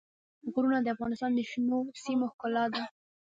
غرونه د افغانستان د شنو سیمو ښکلا ده.